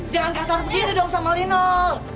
jangan kasar begini dong sama lino